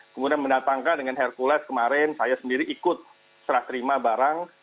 kemudian mendatangkan dengan hercules kemarin saya sendiri ikut serah terima barang